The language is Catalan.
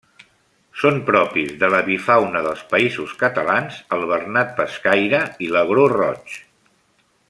Són propis de l'avifauna dels Països Catalans el bernat pescaire i l'agró roig.